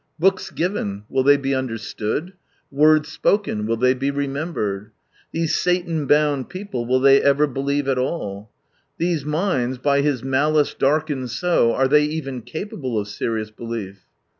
Books given, will they be understood, words spoken, will tiiey he remembered ? These Satan bound people, will they ever believe at all ? These minds, by his malice darkened so, are they even capable of serious belief?